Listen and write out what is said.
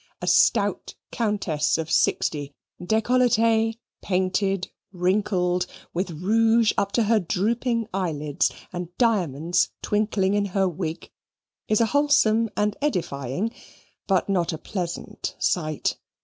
A stout countess of sixty, decolletee, painted, wrinkled with rouge up to her drooping eyelids, and diamonds twinkling in her wig, is a wholesome and edifying, but not a pleasant sight.